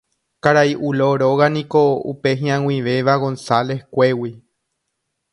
Karai Ulo róga niko upe hi'ag̃uivéva González-kuégui.